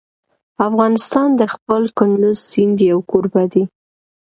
افغانستان د خپل کندز سیند یو کوربه دی.